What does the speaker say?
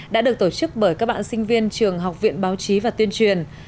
đã được tổ chức bởi các bạn sinh viên trường học viện báo chí và tuyên truyền